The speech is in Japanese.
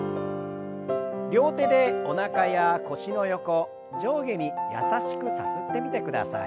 両手でおなかや腰の横上下に優しくさすってみてください。